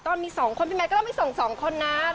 ตอนมี๒คนพี่แมทก็ต้องไปส่ง๒คนนะ